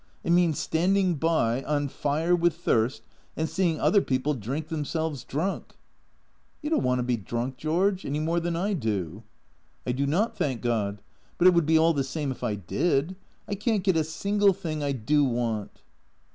It means standing by, on fire with thirst, and seeing other people drink themselves drunk." " You don't want to be drunk, George. Any more than I do." " I do not, thank God. But it would be all the same if I did. I can't get a single thing I do want."